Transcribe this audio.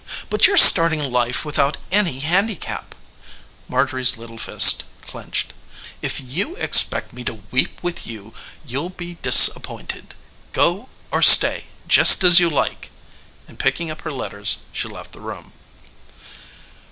But you're starting life without any handicap " Marjorie's little fist clinched, "If you expect me to weep with you you'll be disappointed. Go or stay, just as you like." And picking up her letters she left the room.